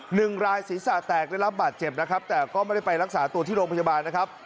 หนึ่งรายศีรษะแตกได้รับบาดเจ็บนะครับแต่ก็ไม่ได้ไปรักษาตัวที่โรงพยาบาลนะครับ